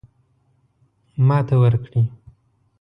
ماته ورکړي.